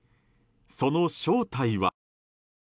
その正体は。